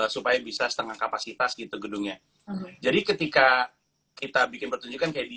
supaya bisa setengah kapasitas gitu gedungnya jadi ketika kita bikin pertunjukan kayak di